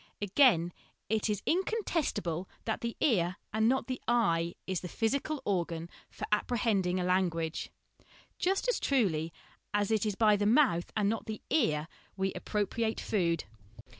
Again, it is incontestable that the ear, and not the eye, is the physical organ for apprehending a language, just as truly as it is by the mouth, and not the ear, we appropriate food.